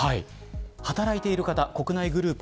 働いてる方、国内グループ